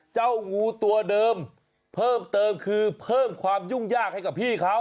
เจ้างูตัวเดิมเพิ่มเติมคือเพิ่มความยุ่งยากให้กับพี่เขา